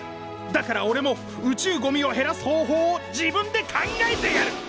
だからおれも宇宙ゴミを減らす方法を自分で考えてやる！